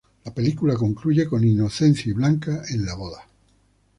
La película concluye con Inocencio y Blanca en su boda.